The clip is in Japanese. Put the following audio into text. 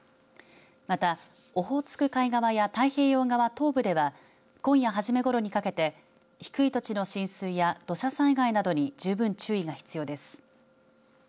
また、オホーツク海側や太平洋側東部では今夜初めごろにかけて低い土地の浸水や土砂災害などに十分注意が必要です。